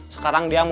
sekarang dia mau